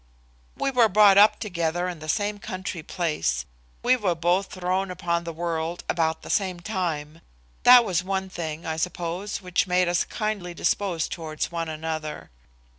We were brought up together in the same country place. We were both thrown upon the world about the same time. That was one thing, I suppose, which made us kindly disposed towards one another.